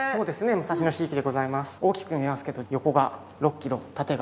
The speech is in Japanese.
武蔵野地域でございます。